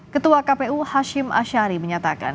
ketua kpu hashim ashari menyatakan